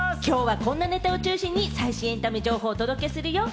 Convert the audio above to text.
きょうはこんなネタを中心に最新エンタメ情報をお届けするよ！